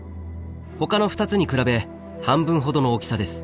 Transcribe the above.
ほかの２つに比べ半分ほどの大きさです。